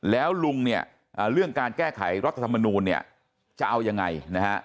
แล้วลุงเนี่ยเรื่องการแก้ไขรัฐธรรมนูลเนี่ยจะเอายังไงนะฮะ